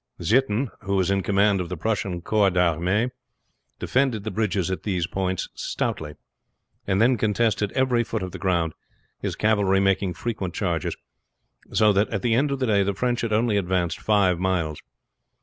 Zieten, who was in command of the Prussian corps d'armée, defended the bridges at these three points stoutly, and then contested every foot of the ground, his cavalry making frequent charges; so that at the end of the day the French had only advanced five miles.